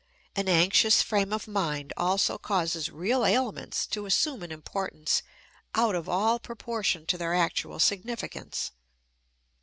An anxious frame of mind also causes real ailments to assume an importance out of all proportion to their actual significance.